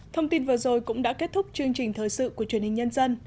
thông tin vừa rồi cũng đã kết thúc chương trình thời sự của truyền hình nhân dân